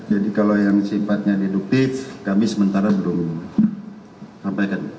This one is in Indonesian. jadi kalau yang sifatnya induktif kami sementara belum sampaikan